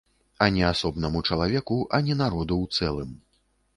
Ані асобнаму чалавеку, ані народу ў цэлым.